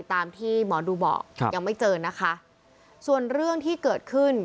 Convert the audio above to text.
ตามที่หมอดูบอกยังไม่เจอนะคะส่วนเรื่องที่เกิดขึ้น